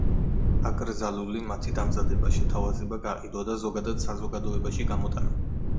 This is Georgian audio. აკრძალული მათი დამზადება, შეთავაზება, გაყიდვა და ზოგადად საზოგადოებაში გამოტანა.